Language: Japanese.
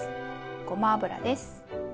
ごま油です。